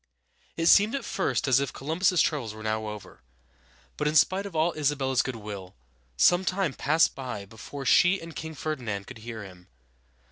It seemed at first as if Columbus's troubles were now over; but in spite of all Isabella's good will, some time passed by before she and King Fer´di nand could hear him.